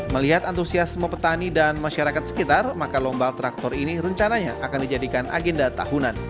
melihat antusiasme petani dan masyarakat sekitar maka lomba traktor ini rencananya akan dijadikan agenda tahunan